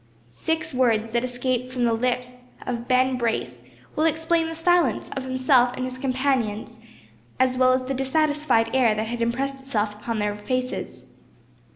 Six words that escaped from the lips of Ben Brace will explain the silence of himself and his companions, as well at the dissatisfied air that had impressed itself upon their faces.